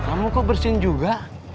kamu kok bersin juga